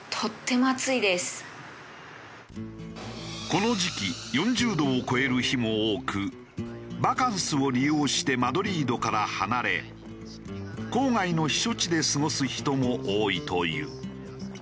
この時期４０度を超える日も多くバカンスを利用してマドリードから離れ郊外の避暑地で過ごす人も多いという。